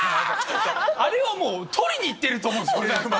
あれはもう取りに行ってると思うんです見てて。